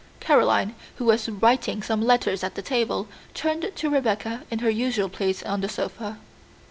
Caroline, who was writing some letters at the table, turned to Rebecca, in her usual place on the sofa.